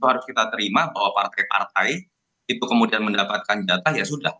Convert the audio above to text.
kalau realistis itu harus kita terima bahwa partai partai itu kemudian mendapatkan jatah ya sudah